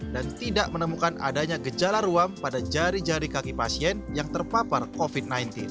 dan tidak menemukan adanya gejala ruam pada jari jari kaki pasien yang terpapar covid sembilan belas